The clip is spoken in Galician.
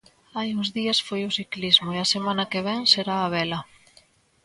Hai uns días foi o ciclismo e a semana que vén será a vela.